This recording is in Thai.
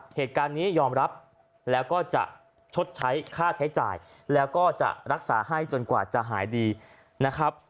เหตุการณ์นี้ยอมรับแล้วก็จะชดใช้ค่าใช้จ่ายแล้วก็จะรักษาให้จนกว่าจะหายดีนะครับ